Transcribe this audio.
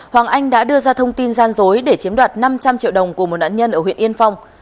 hoàng anh đã đưa ra thông tin gian dối để chiếm đoạt năm trăm linh triệu đồng của một nạn nhân ở huyện yên phong